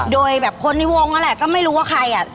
โดยแบบคนในวงนั่นแหละก็ไม่รู้ว่าใครอ่ะ